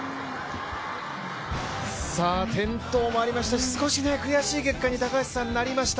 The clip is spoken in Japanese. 転倒もありましたし少し悔しい結果になりました。